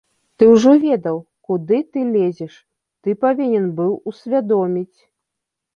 Ты ўжо ведаў, куды ты лезеш, ты павінен быў усвядоміць.